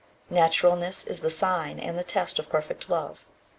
Naturalness is the sign and the test of perfect love.